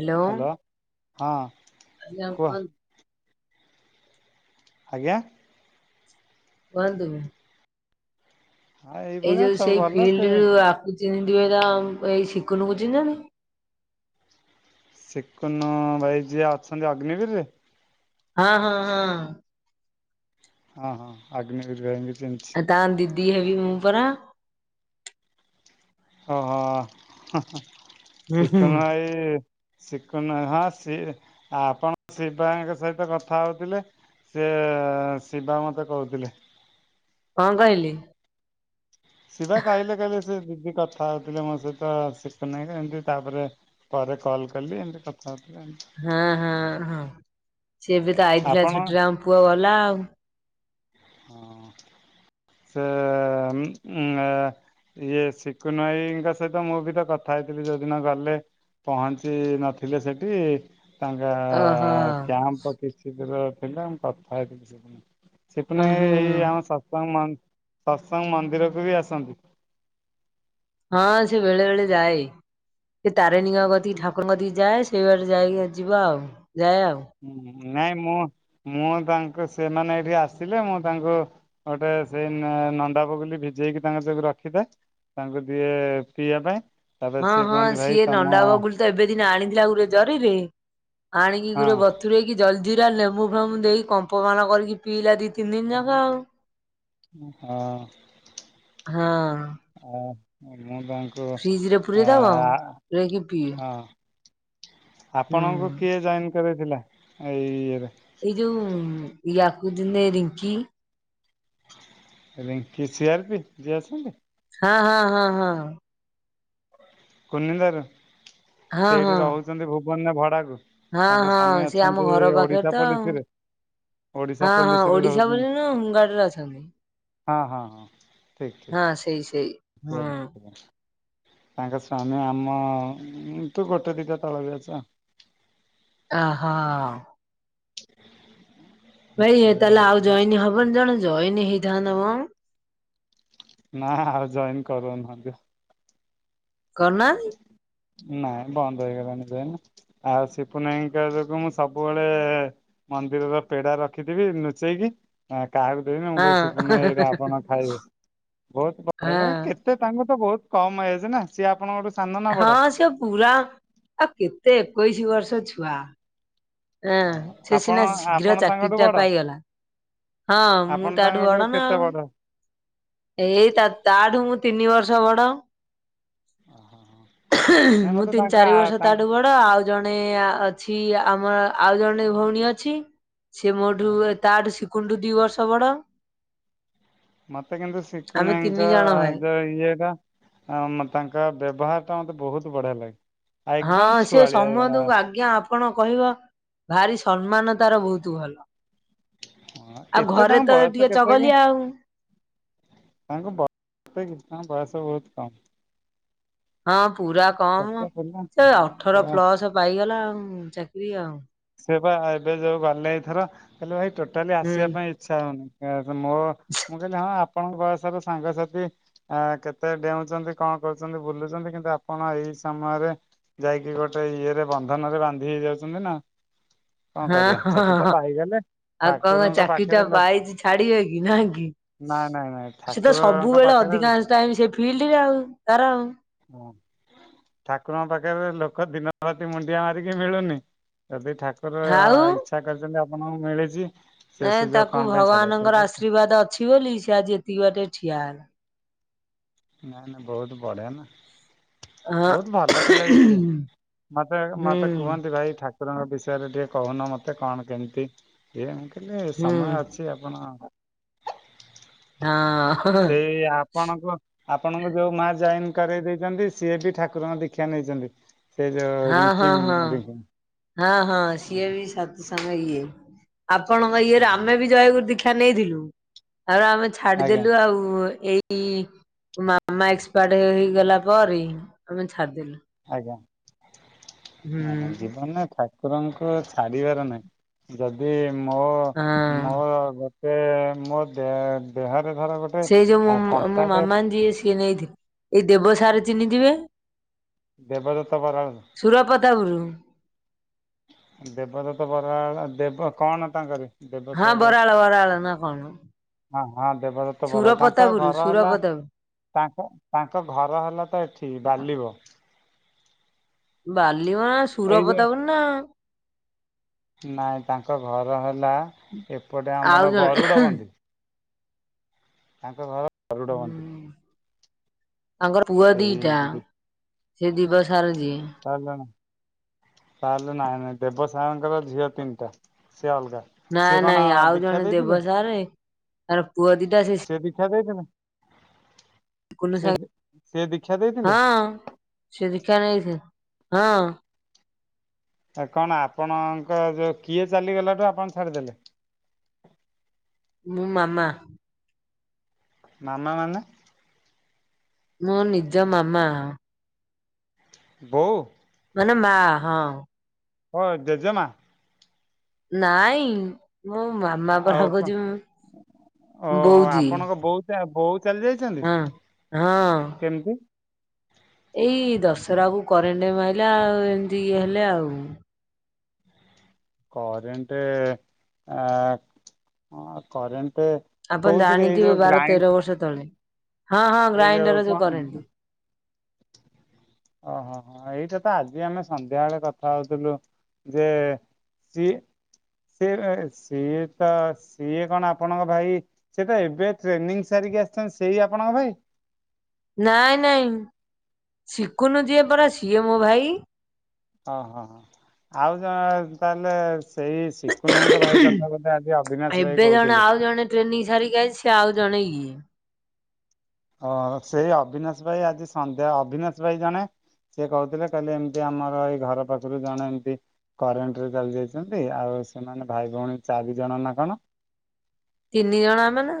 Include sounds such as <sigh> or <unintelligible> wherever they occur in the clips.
Hello. Hello ହଁ କୁହ। କୁହନ୍ତୁ ଆଜ୍ଞା। କୁହନ୍ତୁ। ହଁ ଏଇ ଏଇଭଳିଆ ଯୋଉ ସବୁ ସେଇ ଭଲ ସେ ଫିଲ୍ଡ ରୁ ଆକୁ ଚିହ୍ନିଥିବେ ତ, ଏଇ ସିକୁନୁ କୁ ଚିହ୍ନିଛନ୍ତି? ସିକୁନୁ ଭାଇ ଯିଏ ଅଛନ୍ତି ଅଗ୍ନିବୀରରେ? ହଁ ହଁ ହଁ। ହଁ ହଁ। ଅଗ୍ନିବୀର୍ ଭାଇ ଙ୍କିି ଚିହ୍ନିଚି। ଆଉ ତାଙ୍କ ଦିଦି ହେବି ମୁଁ ପରା। ଓହୋ। ହୁଁ ହୁଁ। ସିକୁନୁ ଭାଇ ଶିକୁନୁ ଭାଇ ହଁ ସି ଆପଣ ଶିବଙ୍କ ସହିତ କଥା ହଉଥିଲେ ସେ ଶିବା ମୋତେ କହୁଥିଲେ। କଣ କହିଲେ? ଶିବା କହିଲେ କହିଲେ ସେ ଦିଦି କଥା ହଉଥିଲେ ମୋ ସହିତ ସିକୁନୁ ଭାଇ ଏମତି ତାପରେ ପରେ କଲ୍ କଲି ଏମତି କଥା ହଉଥିଲେ। ହଁ ହଁ ହଁ। ସିଏ ବି ତ ଆଇଥିଲା ଆପଣ ଛୁଟିରେ ଆମ ପୁଅ ଗଲା ଆଉ। ହଁ। ସେ ଇଏ ଶିକୁନ ଭାଇଙ୍କ ସହିତ ମୁଁ ବି ତ କଥା ହେଇଥିଲି ଯୋଉଦିନ ଗଲେ। ପହଞ୍ଚି ନଥିଲେ ସେଠି। ତାଙ୍କ ଓହୋ କ୍ୟାମ୍ପ କିଛି ଦୂର ଥିଲା ମୁ କଥା ହେଇଥିଲି ସେଦିନ। ଉ ସେପୁଣି ହୁଁ ଏଇ ଆମ ସତ୍ସଙ୍ଗ ମନ ସତ୍ସଙ୍ଗ ମନ୍ଦିରକୁ ବି ଆସନ୍ତି। ହଁ ସେ ବେଳେ ବେଳେ ଯାଏ। ସେ ତାରିଣୀଙ୍କ କତି ଠାକୁରଙ୍କତି ଯାଏ। ସେଇ ବାଟ ଯାଇକି ଯିବା ଆଉ ଯାଏ ଆଉ। ହୁ ହୁଁ ହୁଁ। ନାଇଁ ମୁଁ, ମୁଁ ତାଙ୍କୁ ସେମାନେ ଏଇଠି ଆସିଲେ ମୁଁ ତାଙ୍କୁ ଗୋଟେ ସେଇ ନ ନନ୍ଦା ବଗୁଲି ଭିଜେଇକି ତାଙ୍କର ଯ ରଖିଥା। ତାଙ୍କୁ ଦିଏ ପିଇବା ପାଇଁ। ତାପରେ ହଁ ସିଏ ହଁ କୁହନ୍ତି ଭାଇ ସିଏ ତମ ନଣ୍ଡା ବଗୁଳି ତ ଏବେ ଦିନେ ଆଣିଥିଲା ଗୋରେ ଜରିିରେ, ଆଣିକି ଗୋରେ ବ ହଁ ତୁରେଇକି ଜଲଜିରା ଲେମ୍ବୁ ଫେମୁ ଦେଇ କମ୍ପମାନ କରିକି ପିଇଲା ଦିଇ ତିନି ଦିନ ଯାକ ଆଉ। ହଁ। ହଁ। ଆ ମୁଁ ତାଙ୍କୁ ଫ୍ରିଜ ରେ ପୁରେଇ ଆ ଦବ ପୁରେଇକି ପିଏ ହଁ। ହୁଁ। ଆପଣଙ୍କୁ କିଏ ଜଏନ୍ କରେଇଥିଲା ଏଇ ଇଏରେ। ଏଇ ଯଉ ୟାକୁଦିନେ Rinky Rinki C R P ଯିଏ ଅଛନ୍ତି। ହଁ ହଁ ହଁ ହଁ ହଁ। କୁନିନ୍ଦାରୁ, ହଁ ସେଇଠି ହଁ। ରହୁଛନ୍ତି ଭୁବନ ଭଡା କୁ। ହଁ ହଁ। ସିଏ ଆମ ଘର ପାଖରେ ତ ଆଉ। ପୋଲିସରେ ଓଡିଶା ହଁ ହଁ ପୋଲିସରେ ଓଡିଶା ପୋଲି ରହୁଛନ୍ତି ନା ହୋମ ଗାର୍ଡ ରେ ଅଛନ୍ତି। ହଁ ହଁ ହଁ। ଠିକ୍ ହଁ ଠିକ୍ ସେଇ ସେଇ ହୁଁ। ତାଙ୍କ ସ୍ଵାମୀ ଆମ ଉଁ ଠୁ ଗୋଟେ ଦିଟା ତଳ ବେଚ। ଅହୋ। ଭାଇ ସେ ତାହେଲେ ଆଉ ଜଏନୀ ହବନି ଜଣ ଜଇନୀ ହେଇଥାନ୍ତ ମ। ନା ଆଉ ଜଏନ୍ କରୁନାହାଁନ୍ତି। କରୁନାହାନ୍ତି? ନାଇଁ ବନ୍ଦ ହୋଇଗଲାଣି <unintelligible> ଆଉ ସିପୁନ ଆଜ୍ଞାଙ୍କର ଯୋଗୁ ମୁଁ ସବୁବେଳେ ମନ୍ଦିରର ପେଡା ରଖିଥିବି ଲୁଚେଇକି। ଆଁ କାହାକୁ ଦେବିନି। ମୁଁ କହିବି ସିପୁନ ଆଜ୍ଞା ହଁ ଏଇଟା ଆପଣ ଖାଇବେ। ବହୁତ ହଁ। <unintelligible> କେତ ତେ ତାଙ୍କ ତ ବହୁତ କମ ଏଜ ନା ସିଏ ଆପଣଙ୍କଠୁ ସାନ ନା ହଁ ବଡ? ସେ ପୁରା, ଆଉ କେତେ ଏକୋଇଶି ବର୍ଷ ଛୁଆ। ହଁ। ସେ ଆପଣ ସିନା ଆପଣ ଶୀଘ୍ର ତାଙ୍କଠୁ ଚାକିରିଟା ବଡ ପାଇଗଲା। ହଁ, ଆପଣ ମୁଁ ତାଠୁ ତାଙ୍କଠୁ ବଡ ନା କେତେ ଆଉ। ଏଇ ତା-ତା ଠୁ ମୁଁ ତିନି ବର୍ଷ ବଡ। ନାଇଁ ମୁଁ ମତେ ତିନି ତାଙ୍କ ଚାରି ଆ ବର୍ଷ ତାଙ୍କ ତାଠୁ ବଡ। ଡ଼, ଆଉ ଜଣେ ଅଛି, ଆମର ଆଉ ଜଣେ ଭଉଣୀ ଅଛି। ସିଏ ମୋଠୁ ହଁ ତାଠୁ ଶିକୁନଠୁ ଦି ବର୍ଷ ବଡ। ମତେ କିନ୍ତୁ ଆମେ ଶିକୁନ ତିନି ଆଜ୍ଞା ଜଣ ଭାଇ। ଙ୍କର ଜଉ ଇଏଟା ଆଉ ମୁଁ ତାଙ୍କ ବ୍ୟବହାର ଟା ମତେ ବହୁତ ବଢ଼ିଆ ଲାଗେ। ଆଉ ହଁ ଏକଦମ ସିଏ ଛୁଆଳିଆ ସମସ୍ତଙ୍କୁ ଆଜ୍ଞା, ଆପ ଆପଣ କହିବ। ଭାରି ସମ୍ମାନ ତାର ବହୁତ ଭଲ। ହଁ ଆଉ କେତେ ଘରେ ତାଙ୍କ ତ ବୟସ ଟିକେ କେତେ ଚଗଲିଆ ଆଉ। ତାଙ୍କୁ ବୟ <unintelligible> କିଛି ବୟସ ବୋହୁତ କମ୍। ହଁ ପୁରା କମ ଛୋଟ ପିଲା ସେ ଅଠର ପୁରା ପ୍ଲସ ପାଇଗଲା ଆଉ ଚାକିରି ଆଉ। ସେ ବା ଏବେ ଯୋଉଁ ଗଲେ ଏଇଥର କଇଲେ ଭାଇ ଟୋଟାଲି ହୁଁ। ଆସିବା ପାଇଁ ଇଚ୍ଛା ହେଉନି। ମୋ ମୁଁ କହିଲି ହଁ ଆପଣଙ୍କ ବୟସର ସାଙ୍ଗସାଥି ଆ କେତେ ଡେଁଉଛନ୍ତି କଣ କରୁଛନ୍ତି ବୁଲୁଛନ୍ତି କିନ୍ତୁ ଆପଣ ଏଇ ସମୟରେ ଯାଇକି ଗୋଟେ ଇଏ ରେ ବନ୍ଧନ ରେ ବାନ୍ଧି ହେଇ ଯାଉଛନ୍ତି ନା। କଣ ହଁ କରିବା ହଁଁ ଚାକିରି ଟା ପାଇଗଲେ ଆଉ କଣ ଠାକୁରଙ୍କ ଚାକିରି ପାଖରେ ଟା ପାଇଛି ଛାଡିବ କି ନାଁହି କି। ନାଇଁ ନାଇଁ ନାଇଁ। ସେ ତ ଠାକୁରଙ୍କ ସବୁବେଳେ ପାଖରେ ଅଧିକାଂଶ ଟାଇମ ସେ ଫିଲ୍ଡରେ ଆଉ ତାର ଆଉ। ହଁ ଠାକୁରଙ୍କ ପାଖରେ ଲୋକ ଦିନ ରାତି ମୁଣ୍ଡିଆ ମାରିକି ମିଳୁନି। ଯଦି ଠାକୁର ଆଉ ଇଚ୍ଛା କରିଛନ୍ତି ଆପଣଙ୍କୁ ମିଳିଚି। ନାଇଁ ତାକୁ ଭଗବାନଙ୍କର ଆଶୀର୍ବାଦ ଅଛି ବୋଲି ସେ ଆଜି ଏତିକି ବାଟେରେ ଠିଆ ହେଲା। ନାଇଁ ନାଇଁ ବୋହୁତ ବଢ଼ଆ ନା। ହଁ ବୋହୁତ ଭଲ ପିଲା ବି ସିଏ ମତେ ହୁଁ ମତେ କୁହନ୍ତି ଭାଇ ଠା ଠାକୁରଙ୍କ ବିଷୟରେ ଟିକେ କହୁନ ମତେ କଣ କେମିତି ଇଏ ମୁଁ କହିଲି ହୁଁ ସମୟ ଅଛି। <unintelligible> ଆପଣ ହଁ। ସେଇ ଆପଣଙ୍କୁ ଆପଣଙ୍କୁ ଯୋଉ ମା ଜଏନ୍ କରେଇ ଦେଇଚନ୍ତି ସିଏବି ଠାକୁରଙ୍କ ଦୀକ୍ଷା ନେଇଛନ୍ତି। ସେ ଯୋଉ ହଁ ହଁ ରିଙ୍କି ହଁ ରିଙ୍କି ହଁ ହଁ ସିଏ ବି ସତ ସଙ୍ଗ ଇଏ ଆପଣଙ୍କ ଇଏରେ ଆମେ ବି ଜୟଗୁରୁ ଦୀକ୍ଷା ନେଇଥିଲୁ ତାପରେ ଆମେ ଆଜ୍ଞା ଛାଡିଦେଲୁ ଆଉ ଏଇ ଇ ମାମା ଏକ୍ସପାଟେ ହେଇଗଲା ପରେ ଆମେ ଛାଡିିଦେଲୁ। ଆଜ୍ଞା ନାଇଁ ନାଇଁ ଜୀବନରେ ଠାକୁରଙ୍କୁ ଛାଡିବାର ନାହିଁ। ଯଦି ମୋ ହଁ ମୋ ଗୋଟେ ମୋ ଦେ ଦେହରେ ଧର ଗୋଟେ ସେଇ ଯୋଉ ମୋ କଣ୍ଟାଟେ ମାମା ଯିଏ ସିଏ ନେଇଥେ ଏଇ ଦେବସାରେ ଚିହ୍ନିଥିବେ ଦେବଦତ ବରାଳ। ସୁରପ୍ରତାପପରୁ। ଦେବଦତ ବରାଳ ଦେବ କଣ ତାଙ୍କରି। ହଁ ବରାଳ ବରାଳ ନା କଣ ମ। ହଁ ହଁ ଦେବଦତ ବରାଳ ତାଙ୍କ ଘର ହେଲା ସୁରପତାପୁର ତାଙ୍କ ତାଙ୍କ ଘର ହେଲା ତ ଏଠି ବାଲିବ। ବାଲିବ ନାଁ ଏଇ ସୁରପ୍ରତାପପୁର ନାଁ। ନାଇଁ ତାଙ୍କ ଘର ହେଲା ଏପଟେ ଆଉ ଆମର ଜଣେ ଗରୁଡ଼ ବନ୍ଦି। ତାଙ୍କ ଘର ଗରୁଡ ବନ୍ଦି। ତାଙ୍କର ପୁଅ ସେଇ ଦିଟା ସେ ଦିବସାରେ ଯିଏ। ତାହେଲେ ତାହେଲେ ନାଇଁ ନାଇଁ ଦେବସାରେଙ୍କର ଝିଅ ତିନିଟା ସିଏ ଅଲଗା। ନାଇ ସିଏ କଣ ନାଇଁ ଆଉ ଦୀକ୍ଷା ଜଣେ ଦେଇଥିଲେ ଦେବସାରେ ତାର ପୁଅ ଦିଟା ସେ ସେ ଦିଖା ଦେଇ ଥିଲା। କୁନ ସାରେ ସିଏ ଦୀକ୍ଷା ଦେଇଥିଲେ ହଁ। ସେ ଦିଖା ନେଇଥା ହଁ। ଆ କଣ ଆପଣଙ୍କ ଯୋଉ କିଏ ଚାଲିଗଲାଠୁ ଆପଣ ଛାଡ଼ିଦେଲେ? ମୁଁ ମାମା। ମାମାମାନେ। ମୁଁ ନିଜ ମାମା। ବୋଉ। ମାନେ ମା ହଁ। ହଁ, ଜେଜେମା। ନାଇଁ ମୁଁ ମାମା ପରା ଆଉ କଣ କହଉଛି। ମୁଁ ବୋଉଜୀ। ତା ବୋଉ ଚାଲିଯାଇ ଆଁ ହଁ। କେମିତି? ଏଇ ଦଶହରାକୁ କରେଣ୍ଟ ମାଇଲା ଆଉ। ଏମିତି ଇଏ ହେଲେ ଆଉ। କରେଣ୍ଟେ ଆଁ ହଁ କରେଣ୍ଟେ। ଆପଣ ଜାଣିଥିବେ ବାର, ତେର ବର୍ଷ ତଳେ। ହଁ, ହଁ ଏଇ ଗ୍ରାଇଣ୍ଡର ଯୋଉ କଣ କରେଣ୍ଟେ। ଓହୋ ହୋ ହୋ, ଏଇଟା ତ ଆଜି ଆମେ ସନ୍ଧ୍ୟା ବେଳେ କଥା ହଉଥିଲୁ ଯେ ସିଏ -ସେ - ସିଏ ତ ସିଏ କଣ ଆପଣଙ୍କ ଭାଇ ସେ ତ ଏବେ ଟ୍ରେନିଂ ସାରିକି ଆସିଛନ୍ତି ସେଇ ଆପଣଙ୍କ ଭାଇ? ନାଇଁ, ନାଇଁ ସିକୁନୁ ଯିଏ ପରା ସିଏ ମୋ ଭାଇ। ଅହଁ- ହଁ -ହଁ, ଆଉ ଯାହା ତାହେଲେ ସେଇ ସିକୁନୁ ଭାଇଙ୍କ ଭାଇ କଥା ବୋଧେ ଆଜି ଅବିନାଶ ଭାଇ ଏବେ ଜଣେ କହୁଥିଲେ। ଆଉ ଜଣେ ଟ୍ରେନିଂ ସାରିକି ଆଇଚି ସିଏ ଆଉ ଜଣେ ଇଏ। ହଁ ସେଇ ଅବିନାଶ ଭାଇ ଆଜି ସନ୍ଧ୍ୟା ଅବିନାଶ ଭାଇ ଜଣେ ସିଏ କହୁଥିଲେ କହିଲେ ଏମିତି ଆମର ଏଇ ଘର ପାଖରୁ ଜଣେ ଏମତି କରେଣ୍ଟରେ ଜଳି ଯାଇଛନ୍ତି। ଆଉ ସେମାନେ ଭାଇ ଭଉଣୀ ଚାରିଜଣ ନା କଣ? ତିନି ଜଣ ଆମେ ନା।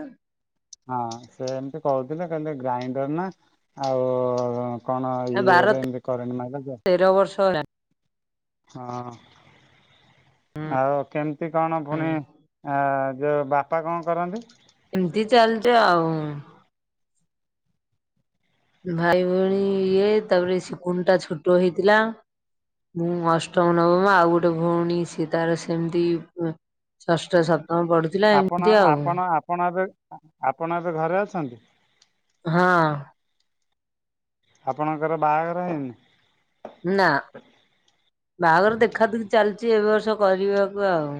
ହଁ ସେ ଏମିତି କହୁଥିଲେ। କହିଲେ ଗ୍ରାଇଣ୍ଡର ନା ଆଉ କଣ ବାର ଇଏରେ ଏମିତି କରେଣ୍ଟ ମାଇଲା ଜ ତେର ବର୍ଷ ହେଲାଣି ହଁ। ଆଉ କେମିତି କଣ ଫୁଣି ଆ ଯୋଉ ବାପା କଣ କରନ୍ତି? ଏମିତି ଚାଲିଚ ଆଉ। ଭାଇ ଭଉଣୀ ଇଏ। ତାପରେ ସିକୁନଟା ଛୋଟ ହେଇଥିଲା। ମୁଁ ଅଷ୍ଟମ, ନବମ, ଆଉ ଗୋଟେ ଭଉଣୀ ସିଏ ତାର ସେମିତି ଉଁ ଷଷ୍ଠ, ସପ୍ତମ ପଢୁ ଆପଣ -ଆପଣ -ଆପଣ ଏବେ ଆପଣ ଏବେ ଘରେ ଅଛନ୍ତି? ହଁ। ଆପଣଙ୍କର ବାହାଘର ହେଇନି? ନା। ବାହାଘର ଦେଖା ଦୁଖି ଚାଲିଛି ଏ ବର୍ଷ କରିବାକୁ ଆଉ।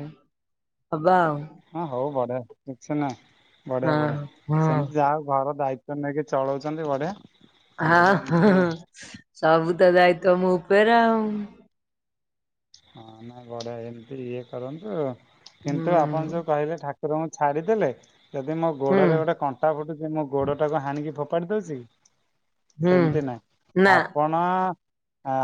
ହବା ଆଉ। ହଁ ହଉ ବଢିଆ। କିଛି ନାହିଁ ବଢିଆ- ହଁ ବଢିଆ। ହଁ ସେମତି ଯାହା ହଉ ଘର ଦାୟି ତ୍ବ ନେଇକି ଚଳଉଛନ୍ତି ବଢିଆ। ହଁ ଏଇଭଳିଆ ହ ଏମିତି ସବୁ ତ ଦାୟିତ୍ୱ ମୋ ଉପରେ ଆଉ। ହଁ ନା ବଢିଆ। ଏମିତି ଇଏ କରନ୍ତୁ। ହୁଁ କିନ୍ତୁ ଆପଣ ଯୋଉ କହିଲେ ଠା ଠାକୁରଙ୍କୁ ଛାଡ଼ିଦେଲେ ଯଦି ମୋ ହୁଁ ଗୋଡରେ ଗୋଟେ କଣ କଣ୍ଟା ଫୁଟୁଛି ମୋ ଗୋଡଟାକୁ ହାଣିକି ଫୋପାଡି ଦଉଛି କି? ହୁଁ ସେମତି ନାଇଁ। ନା ଆପଣ ଣ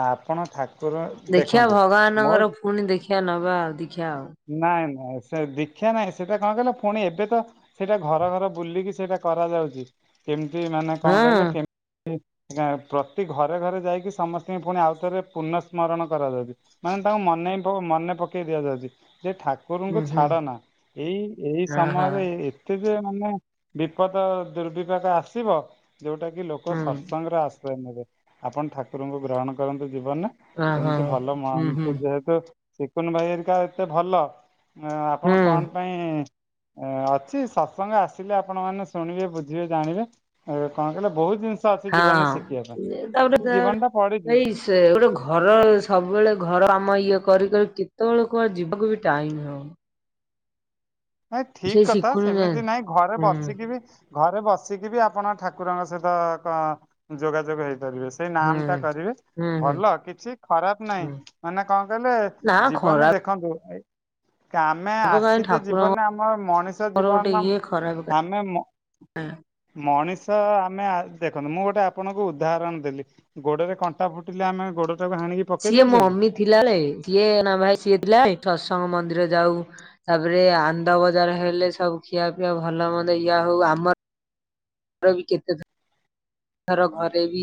ଆପଣ ଠାକୁର, ଦେଖନ୍ତୁ ମୋ ମାନଙ୍କର ପୁଣି ଦେଖିବା ନବା ଆଉ ଦୀକ୍ଷା ଆଉ। ନାଇଁ -ନାଇଁ ସେ ଦୀକ୍ଷା ନାଇଁ। ସେଟା କଣ କହିଲ ପୁଣି ଏବେ ତ ସେଇଟା ଘର ଘର ବୁଲିକି ସେଇଟା କରାଯାଉଛି। କେମିତି ମାନେ ହଁ କଣ କହିଲେ କେମତି ନାଇଁ ପ୍ରତି ଘରେ- ଘରେ ଯାଇକି ସମସ୍ତିଙ୍କି ପୁଣି ଆଉ ଥରେ ପୁନଃ ସ୍ମରଣ କରାଯାଉଛି। ମାନେ ତାଙ୍କୁ ମନେ ହି ମନେ ପକେଇ ଦିଆଯାଉଚି। ଯେ ଠାକୁରୁଙ୍କୁ ହୁଁ ହୁଁ ଛାଡ଼ନା। ଏଇ- ଏଇ ଅ ହ ସମୟରେ ସେ ଯେ ମାନେ ବିପଦ ଦୁର୍ବିପାକ ଆସିବ ଯେଉଟା କିି ଲୋକ ହୁଁ ସତସଙ୍ଗରେ ଆଶ୍ରୟ ନେବେ ଆପଣ ଠାକୁରଙ୍କୁ ଗ୍ରହଣ କରନ୍ତୁ ଜୀବନରେ। ଅ ହ ଏମିତି ଭଲ ହୁଁ ହୁଁ <unintelligible> ଯେହେତୁ ଚକୁନ ଭାଇ ହରିକା ଏତେ ଭଲ ହୁଁ ଆପଣ କଣ ପାଇଁ ଏ ଅଛି ସତସଙ୍ଗ ଆସିଲେ ଆପଣ ମାନ ଶୁଣିବେ ବୁଝିବେ ଜାଣିବେ ଏ କଣ କହିଲେ ବହୁତ ଜିନିଷ ଅଛି ଜୀବନରେ ଶିଖିବା ହଁ ତାପରେ ପାଇଁ ତା ଜୀବନ ଟା ପଡିଛିି। ଏଇ ସେ ଗୋଟେ ଘର ସବୁବେଳେ ଘର କାମ ଇଏ କରିିକରି କେତେବେଳେ କୁଆଡେ ଯିବାକୁ ବି ଟାଇମ ହଉନି। ନାଇ ଠିକ ସେଇ କଥା ଶିଖୁନୁ ସେମିତି ଯାଆନ୍ତି ନାହିଁ ଘରେ ହୁଁ ବସିକି ବି ହୁଁ। ଘରେ ବସିକି ବି ଆପଣ ଠାକୁରଙ୍କ ସହିତ ଯୋଗାଯୋଗ ହେଇପାରିବେ। ସେଇ ନାମ ଟା କରିବେ ହୁଁ ହୁଁ ଭଲ କିଛି ଖରାପ ନାହିଁ ହୁଁ ମାନେ କଣ କହିଲେ ନା ଜୀବନ ଖରାପ ଦେଖନ୍ତୁ ଆମେ କାହିଁ ଆସିଛେ ଜୀବନରେ ଠାକୁରଙ୍କର ଆମ ମଣିଷ ଗୋଟେ ଜୀବନ ଇଏ ଖରାପ କାହିଁ ଆମେ ମ ମଣିଷ ଆମେ ଆସି ଦେଖନ୍ତୁ ମୁଁ ଗୋଟେ ଆପଣଙ୍କୁ ଉଦାହରଣ ଦେଲି ଗୋଡରେ କଣ୍ଟା ଫୁଟିଲେ ଆମେ ଗୋଡଟାକୁ ହାଣିକି ପକେଇ ସିଏ ଦଉଛେ କି ମମି ଥିଲା ବେଳେ ସିଏ ନା ଭାଇ ସିଏ ଥିଲା ବେଳେ ସତସଙ୍ଗ ମନ୍ଦିର ଯାଉ। ତାପରେ ଆନନ୍ଦ ବଜାର ହେଲେ ସବୁ ଖିଆ ପିଆ ଭଲ ମନ୍ଦ ଇଆ ହଉ ଆମର ଆଉ ବି କେତେ <unintelligible> ଥର ଘରେ ବି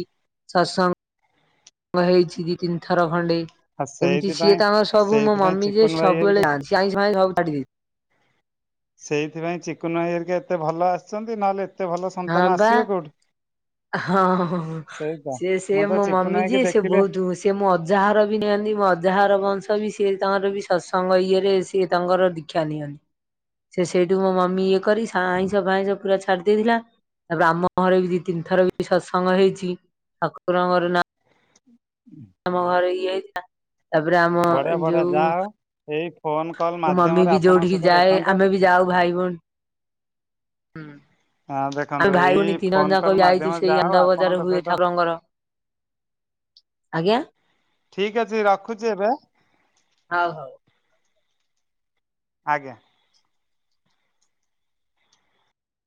ସତସଙ୍ଗ ହେଇଛି ଦି ତିନିଥର ଖଣ୍ଡେ। ଆଉ ଏମିତି ସିଏ ସେଇଥିପାଇଁ ତ ଆମର ସବୁ ମୋ ସେଇଥିପାଇଁ ମମି ଯିଏ ଚିକୁନ ଭାଇ ହେରିକା ସବୁବେଳେ ଯାଆନ୍ତି। ଆଇଁଷ ପାଇଁଷ ସବୁ ଛାଡିଦେଇଚି। ସେଇଥିପାଇଁ ଚକୁନ ଭାଇ ହେରିକା ଏତେ ଭଲ ଆସିଛନ୍ତି ନହେଲେ ଏତେ ଭଲ ସନ୍ତାନ ବା ଆସିବେ କେଉଁଠୁ। ହଁ, ହଁ ସି ମୁଁ ସିଏ ତ ମୋ ଚିକୁନ ମମି ଭାଇକି ଯିଏ ସେ ଦେଖିଲେ ବହୁତ ସିଏ ମୋ ଅଜାଘର ବି ସେମିତି ମୋ ଅଜାହାର ବଂଶ ବି ସିଏ ତାଙ୍କର ବି ସତ୍ସଙ୍ଗ ଇଏରେ ସିଏ ତାଙ୍କର ଦୀକ୍ଷା ନିଅନ୍ତି। ସେ ସେଇଠୁ ମୋ ମମି ଇଏ କରି ଆଇଁଷ ଫଇଁଷ ପୁରା ଛାଡ଼ି ଦେଇେଥିଲା। ତାପରେ ଆମ ଘରେ ବି ଦି ତିନି ଥର ବି ସତ୍ସଙ୍ଗ ହେଇଛି ଠାକୁରଙ୍କର ନାଁ <unintelligible> ଆମ ଘର ଇଏ ହେଇଥିଲା। ତାପରେ ଆମ ବଢିଆ ବଢିଆ ଯୋଉ ଯାହା ହଉ ଏଇ ଫୋନ କଲ୍ ମୋ ମମି ମାଧ୍ୟମରେ ବି ଆପଣଙ୍କ ଯୋଉଠିକି ସହିତ ଯାଏ ଦେଖନ୍ତୁ ଆମେ ବି ଯାଉ ଭାଇ ଭଉଣୀ - ହୁଁ। ହଁ ଦେଖନ୍ତୁ ଆମେ ଭାଇ ଏଇ ଭଉଣୀ ଫୋନ ତିନିଜଣ ଯାକ କଲ୍ ଯାଇଚୁ ମାଧ୍ୟମରେ ସେଇ ଯାହା ହଉ ଆନନ୍ଦ ଆପଣଙ୍କ ବଜାରରେ ହୁଏ ସହିତ ଠାକୁରଙ୍କର ଆଜ୍ଞା ଠିକ ଅଛି ରଖୁଛି ଏବେ। ହଉ ହଉ। ଆଜ୍ଞା।